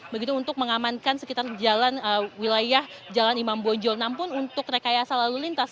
begitu untuk mengamankan sekitar jalan wilayah jalan imam bonjolnam pun untuk rekayasa lalu lintas